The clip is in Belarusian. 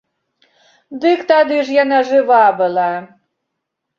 Дык тады ж яна жыва была.